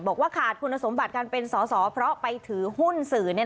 บอกว่าขาดคุณสมบัติการเป็นสอสอเพราะไปถือหุ้นสื่อ